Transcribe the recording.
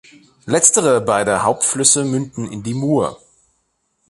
Letztere beide Hauptflüsse münden in die Mur.